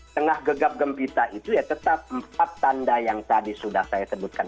tengah gegap gempita itu ya tetap empat tanda yang tadi sudah saya sebutkan